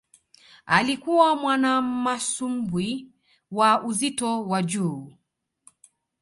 Alikuwa mwanamasumbwi wa uzito wa juu